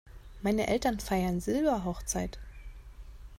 Meine Eltern feiern Silberhochzeit.